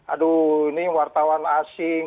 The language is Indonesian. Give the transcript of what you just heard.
aduh ini wartawan asing